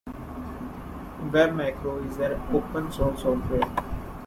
WebMacro is open source software.